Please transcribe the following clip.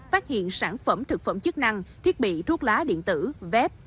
phát hiện sản phẩm thực phẩm chức năng thiết bị thuốc lá điện tử vép